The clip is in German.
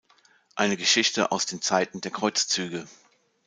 Eine Geschichte aus den Zeiten der Kreuzzüge".